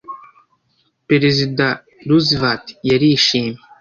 Perezida Roosevelt yarishimye.